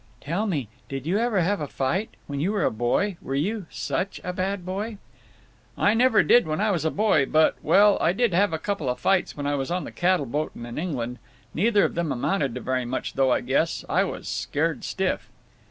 "Tell me, did you ever have a fight? When you were a boy? Were you such a bad boy?" "I never did when I was a boy, but—well—I did have a couple of fights when I was on the cattle boat and in England. Neither of them amounted to very much, though, I guess. I was scared stiff!"